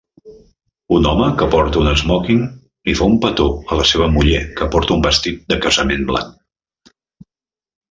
Un home que porta un esmòquing li fa un petó a la seva muller que porta un vestit de casament blanc.